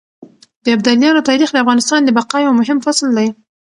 د ابدالیانو تاريخ د افغانستان د بقا يو مهم فصل دی.